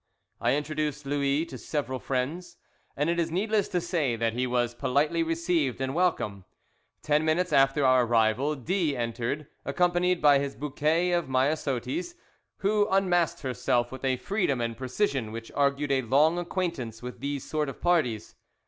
I introduced Louis to several friends, and it is needless to say that he was politely received and welcomed. Ten minutes after our arrival D entered, accompanied by his bouquet of myosotis, who unmasked herself with a freedom and precision which argued a long acquaintance with these sort of parties.